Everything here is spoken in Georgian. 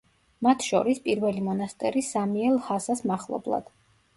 მათ შორის, პირველი მონასტერი სამიე ლჰასას მახლობლად.